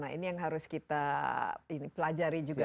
nah ini yang harus kita pelajari juga